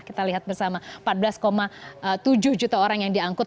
kita lihat bersama empat belas tujuh juta orang yang diangkut